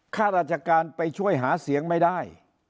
ข้าราชการไปช่วยหาเสียงไม่ได้